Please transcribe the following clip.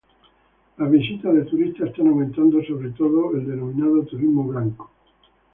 Las visitas de turistas están aumentando sobre todo el denominado turismo blanco.